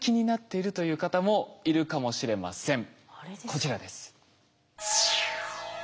こちらです。